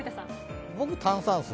僕、炭酸水。